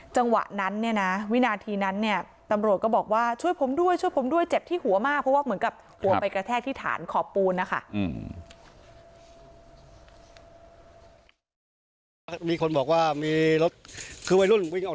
จังหวะนั้นเนี่ยนะวินาทีนั้นเนี่ยตำรวจก็บอกว่าช่วยผมด้วยช่วยผมด้วยเจ็บที่หัวมากเพราะว่าเหมือนกับหัวไปกระแทกที่ฐานขอบปูนนะคะ